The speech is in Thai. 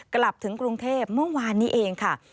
กลับถึงกรุงเทพเมื่อวานนี้เองค่ะ